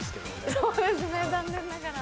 そうですね残念ながら。